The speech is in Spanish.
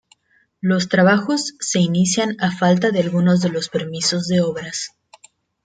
Los trabajos se inician a falta de algunos de los permisos de obras.